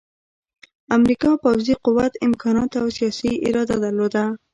امریکا پوځي قوت، امکانات او سیاسي اراده درلوده